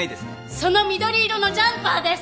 その緑色のジャンパーです